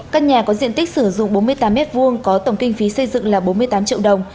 căn nhà có diện tích sử dụng bốn mươi tám m hai có tổng kinh phí xây dựng là bốn mươi tám triệu đồng